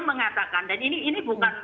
mengatakan dan ini bukan